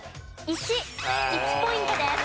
１ポイントです。